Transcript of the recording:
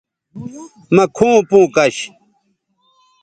مہ کھوں پوں کش